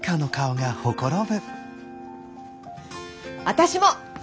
私も！